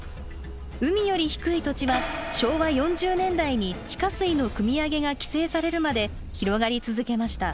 海より低い土地は昭和４０年代に地下水のくみ上げが規制されるまで広がり続けました。